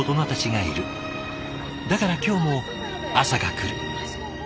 だから今日も朝が来る。